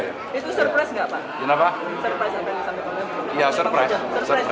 itu surprise nggak pak